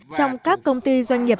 trong các công ty doanh nghiệp